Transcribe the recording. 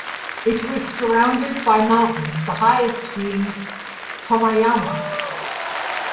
It was surrounded by mountains, the highest being Komeyama.